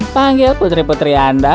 panggil putri putri anda